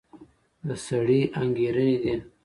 د سړي انګېرنې دي.